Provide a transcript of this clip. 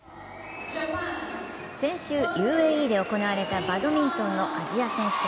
先週、ＵＡＥで行われたバドミントンのアジア選手権。